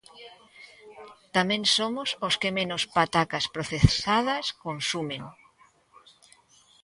Tamén somos os que menos patacas procesadas consumen.